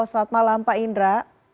selamat malam pak indra